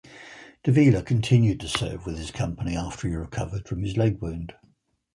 Davila continued to serve with his company after he recovered from his leg wound.